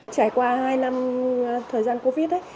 trải qua hai năm thời gian covid ấy